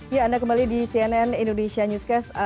ya anda kembali di cnn indonesia newscast